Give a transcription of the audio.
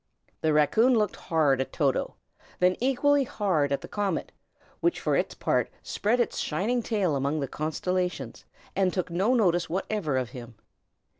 The raccoon looked hard at Toto, and then equally hard at the comet, which for its part spread its shining tail among the constellations, and took no notice whatever of him.